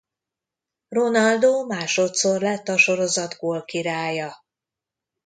Ronaldo másodszor lett a sorozat gólkirálya.